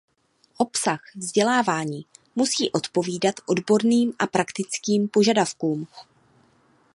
Obsah vzdělávání musí odpovídat odborným a praktickým požadavkům.